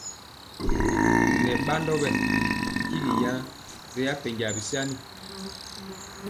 Nɛ badɔ bɛ tyigi yan ri apenja bisani.